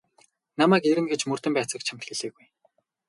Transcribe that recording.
Намайг ирнэ гэж мөрдөн байцаагч чамд хэлээгүй.